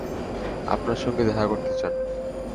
আপনার সঙ্গে দেখা করতে চান।